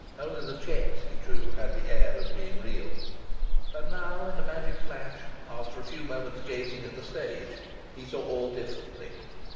Only the cheques he drew had the air of being real. And now, in a magic flash, after a few moments gazing at the stage, he saw all differently.